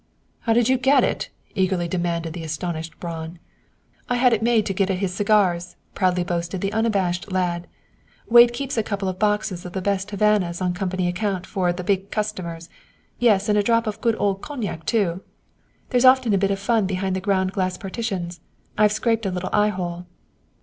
"How did you get it?" eagerly demanded the astonished Braun. "I had it made to get at his cigars," proudly boasted the unabashed lad. "Wade keeps a couple of boxes of the best Havanas on Company account, for the 'big customers.' Yes, and a drop of good old cognac, too. "There's often a bit of fun behind the ground glass partitions. I've scraped a little eye hole."